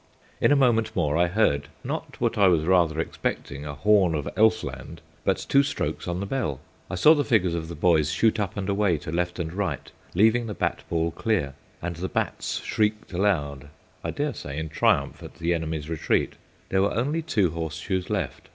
In a moment more I heard not what I was rather expecting, a horn of Elf land, but two strokes on the bell. I saw the figures of the boys shoot up and away to left and right, leaving the bat ball clear, and the bats shrieked aloud, I dare say in triumph at the enemy's retreat. There were two horseshoes left.